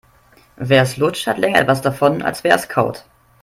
Wer es lutscht, hat länger etwas davon, als wer es kaut.